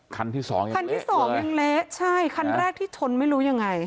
คันที่สองยังเละเกินเลยใช่คันแรกที่ชนไม่รู้อย่างไร